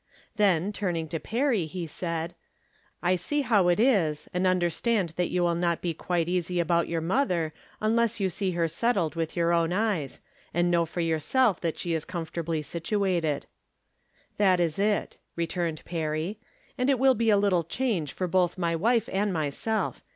Then, turning to Perry, he added :" I see how it is, and understand that you wUl not be quite easy about your mother unless you see her set 204 From Different Standpoints. 205 tied witli your own eyes, and know for yourself that she is comfortably situated." " That is it," returned Perry. " And it will be a little change for both my wife and myself.